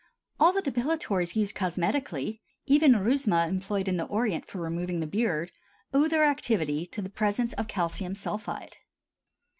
All the depilatories used cosmetically, even rhusma employed in the Orient for removing the beard, owe their activity to the presence of calcium sulphide.